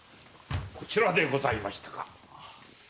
こちらでございましたか。